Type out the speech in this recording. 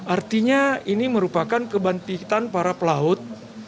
artinya ini merupakan kebantikan para pelaut